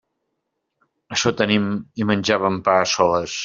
Açò tenim i menjàvem pa a soles.